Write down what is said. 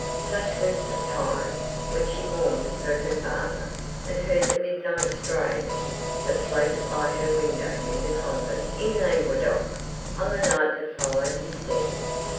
Such was the time, when she mourned for her father, and heard the midnight strains, that floated by her window near the convent in Languedoc, on the night that followed his death.